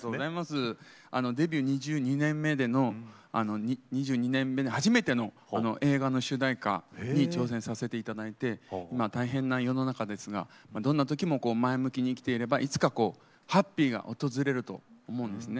デビュー２２年目で初めての映画の主題歌に挑戦させていただいて大変な世の中ですがどんなときも前向きに生きていれば、いつかハッピーが訪れると思うんですね。